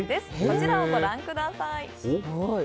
こちらをご覧ください。